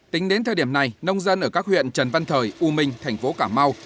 tính đến thời điểm này nông dân ở các huyện trần văn thời u minh thành phố cà mau